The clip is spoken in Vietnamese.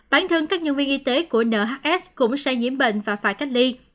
bản thân các nhân viên y tế của nhs cũng sẽ nhiễm bệnh và phải cách ly